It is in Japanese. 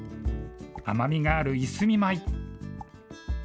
甘みがあるいすみ米。